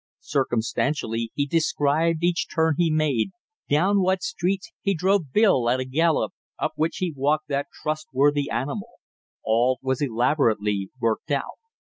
Circumstantially he described each turn he made, down what streets he drove Bill at a gallop, up which he walked that trustworthy animal; all was elaborately worked out.